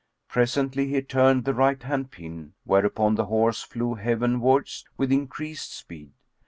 Presently he turned the right hand pin, whereupon the horse flew heavenwards with increased speed.